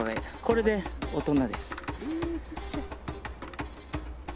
これで大人です。